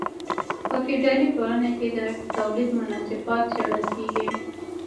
په فیوډالي ټولنه کې د تولید مناسبات څیړل کیږي.